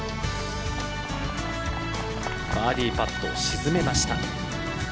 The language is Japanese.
バーディーパットを沈めました。